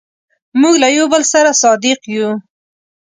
موږ له یو بل سره صادق یو.